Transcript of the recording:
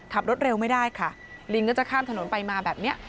ขับรถเร็วไม่ได้ค่ะลิงก็จะข้ามถนนไปมาแบบนี้